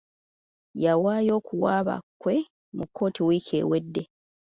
Yawaayo okuwaaba kwe mu kkooti wiiki ewedde.